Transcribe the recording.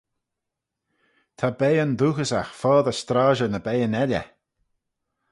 Ta beiyn dooghyssagh foddey stroshey na beiyn elley.